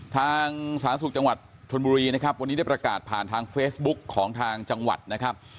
สาธารณสุขจังหวัดชนบุรีนะครับวันนี้ได้ประกาศผ่านทางเฟซบุ๊กของทางจังหวัดนะครับ